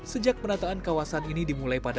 sejak penataan kawasan ini dimulai pada dua ribu enam belas